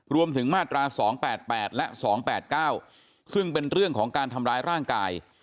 มาตรา๒๘๘และ๒๘๙ซึ่งเป็นเรื่องของการทำร้ายร่างกาย